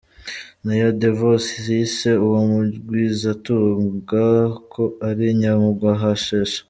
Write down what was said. Na yo DeVos yise uwo mugwizatunga ko “ari nyamugwahashashe”.